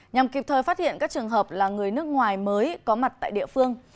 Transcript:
nhằm kịp thời phát hiện các trường hợp là người nước ngoài mới có mặt tại địa phương